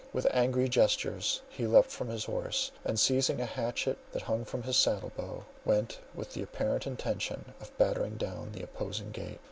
With angry gestures he leapt from his horse, and seizing a hatchet that hung from his saddle bow, went with the apparent intention of battering down the opposing gate.